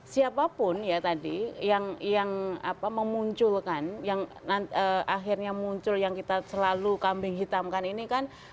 siapapun ya tadi yang memunculkan yang akhirnya muncul yang kita selalu kambing hitamkan ini kan